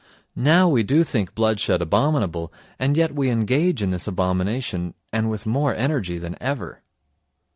Now we do think bloodshed abominable and yet we engage in this abomination, and with more energy than ever.